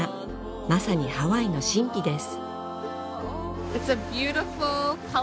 まさにハワイの神秘です